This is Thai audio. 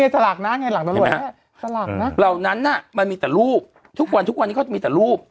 สลากน่ะไงสลากน่ะเหล่านั้นอ่ะมันมีแต่รูปทุกวันทุกวันนี้เขาจะมีแต่รูป